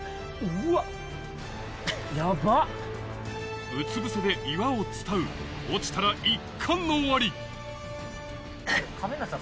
うつぶせで岩を伝う落ちたら一巻の終わり亀梨さん